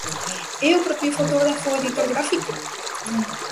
É o propio fotógrafo o editor gráfico?